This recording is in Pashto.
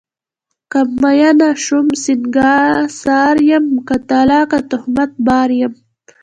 که میینه شوم سنګسار یم، که طلاقه تهمت بار یم